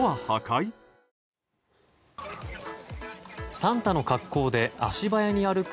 サンタの格好で足早に歩く